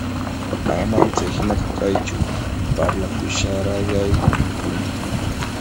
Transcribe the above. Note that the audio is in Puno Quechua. Ama chayhinaqa kaychu, parlakushallaraykun